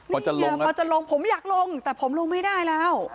นี่เหรอพอจะลงผมอยากลงแต่ผมลงไม่ได้แล้ว